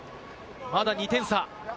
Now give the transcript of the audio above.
まだ２点差。